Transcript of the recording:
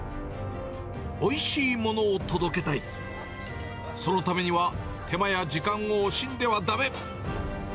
おいしいものを届けたい、そのためには、手間や時間を惜しんではだめ。